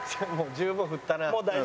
十分振った。